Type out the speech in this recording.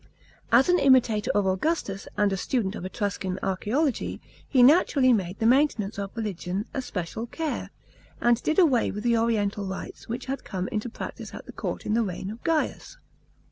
As an imitator of Augustus and a student of Etruscan archaeology, he naturally made the maintenance of religion a special care, and did away with the oriental rites which had come into practice at the court in the reign of Gaius.